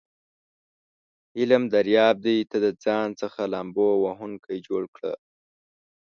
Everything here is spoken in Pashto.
علم دریاب دی ته دځان څخه لامبو وهونکی جوړ کړه س